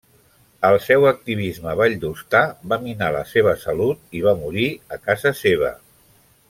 El seu activisme valldostà va minar la seva salut, i va morir a casa seva.